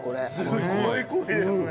すごい濃いですね。